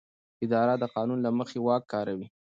اداره د قانون له مخې واک کاروي.